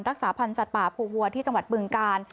รักษาพันธ์สัตว์ป่าภูวัวที่จังหวัดบึงกาล